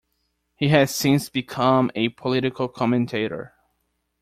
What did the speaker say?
He has since become a political commentator.